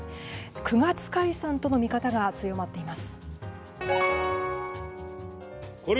９月解散との見方が強まっています。